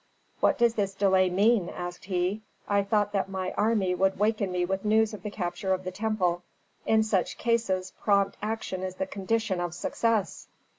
"What does this delay mean?" asked he. "I thought that my army would waken me with news of the capture of the temple. In such cases prompt action is the condition of success."